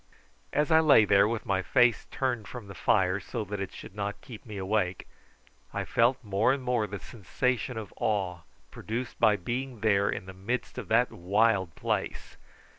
As I lay there with my face turned from the fire, so that it should not keep me awake, I felt more and more the sensation of awe produced by being there in the midst of that wild place.